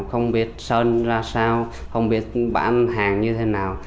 không biết máy móc dùng như thế nào không biết sơn ra sao không biết bán hàng như thế nào